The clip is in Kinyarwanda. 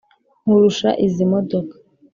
Nkurusha izi modoka,